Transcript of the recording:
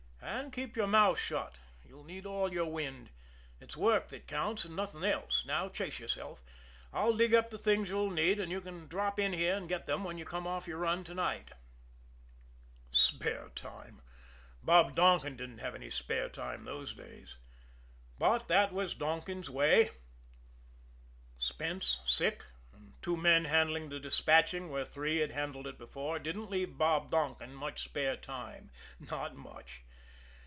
And keep your mouth shut; you'll need all your wind. It's work that counts, and nothing else. Now chase yourself! I'll dig up the things you'll need, and you can drop in here and get them when you come off your run to night." Spare time! Bob Donkin didn't have any spare time those days! But that was Donkin's way. Spence sick, and two men handling the despatching where three had handled it before, didn't leave Bob Donkin much spare time not much.